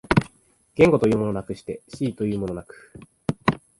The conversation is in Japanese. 言語というものなくして思惟というものなく、